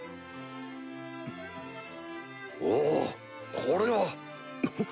おぉこれは！